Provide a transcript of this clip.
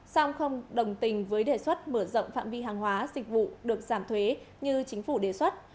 song không đồng tình với đề xuất mở rộng phạm vi hàng hóa dịch vụ được giảm thuế như chính phủ đề xuất